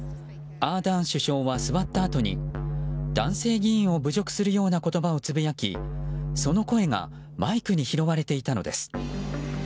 アーダーン首相は座ったあとに男性議員を侮辱するような言葉をつぶやきその声がマイクに拾われていたのです。